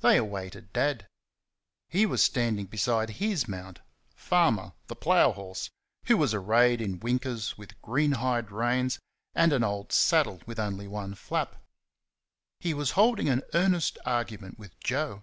They awaited Dad. He was standing beside HIS mount Farmer, the plough horse, who was arrayed in winkers with green hide reins, and an old saddle with only one flap. He was holding an earnest argument with Joe...